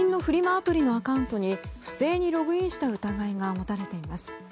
アプリのアカウントに不正にログインした疑いが持たれています。